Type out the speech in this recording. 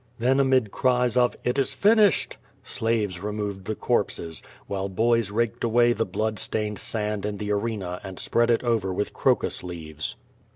Then amid cries of "it is finished!'' slaves removed the corpses, while boys raked away the blood stained sand in the arena and spread it over with crocus leaves.